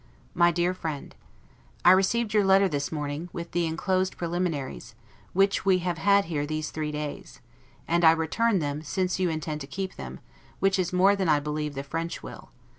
MY DEAR FRIEND: I received your letter this morning, with the inclosed preliminaries, which we have had here these three days; and I return them, since you intend to keep them, which is more than I believe the French will.